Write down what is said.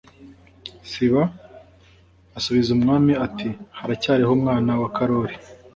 siba asubiza umwami ati haracyariho umwana wa karori